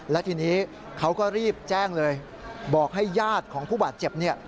และทีนี้เขาก็รีบแจ้งเลยบอกให้ญาติของผู้บาดเจ็บเนี่ย